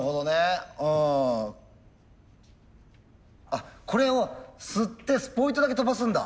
あこれを吸ってスポイトだけ飛ばすんだ。